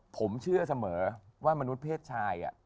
ผมเชื่อเสมอว่ามนุษย์เพศชาย